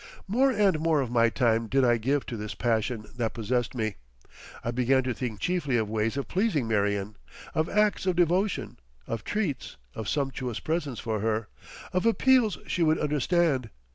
More and more of my time did I give to this passion that possessed me. I began to think chiefly of ways of pleasing Marion, of acts of devotion, of treats, of sumptuous presents for her, of appeals she would understand.